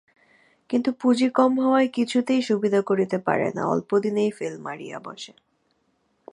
কিন্তু পুঁজি কম হওয়ায় কিছুতেই সুবিধা করিতে পারে না, অল্পদিনেই ফেল মারিয়া বসে।